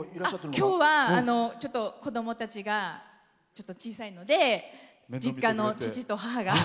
きょうはちょっと子どもたちがちょっと小さいので実家の父と母が。